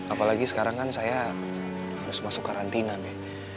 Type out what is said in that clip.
apalagi sekarang kan saya harus masuk karantina nih